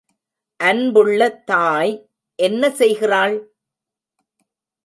அன்புள்ள தாய் என்ன செய்கிறாள்?